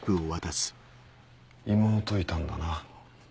妹いたんだな。